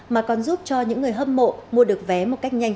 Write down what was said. mà còn giúp cho những người hâm mộ mua được vé một cách nhanh